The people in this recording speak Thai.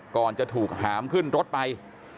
ก่อนจะถูกหามขึ้นรถไป